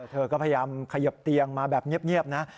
เธอก็พยายามเขยิบเตียงมาแบบเงียบนะ